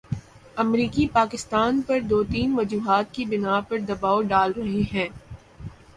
امریکی پاکستان پر دو تین وجوہات کی بنا پر دبائو ڈال رہے ہیں۔